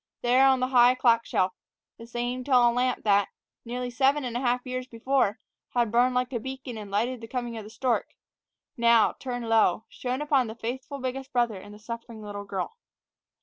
There, on the high clock shelf, the same tall lamp that, nearly seven and a half years before, had burned like a beacon and lighted the coming of the stork, now, turned low, shone upon the faithful biggest brother and the suffering little girl.